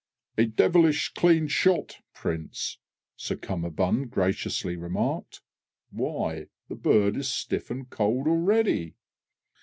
"A devilish clean shot, Prince!" Sir CUMMERBUND graciously remarked; "why, the bird is stiff and cold already!"